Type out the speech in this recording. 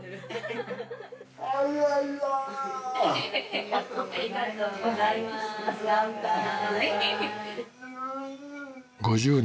ありがとうございます乾杯